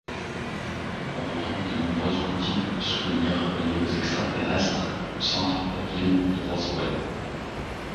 On retrouve de nombreuses boutiques de souvenirs reliées aux extraterrestres au centre-ville de Roswell.